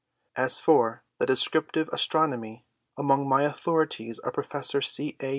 As for the descriptive astronomy, among my authorities are Professor C. A.